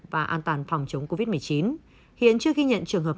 và an toàn phòng chống covid một mươi chín hiện trước khi nhận trường hợp